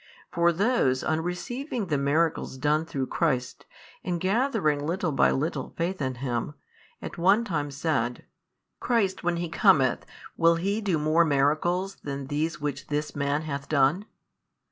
For those on receiving the miracles done through Christ, and gathering little by little faith in Him, at one time said, Christ when He cometh, will He do more miracles than these which this man. hath done?